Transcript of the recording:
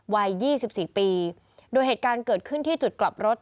วัย๒๔ปีโดยเหตุการณ์เกิดขึ้นที่จุดกลับรถ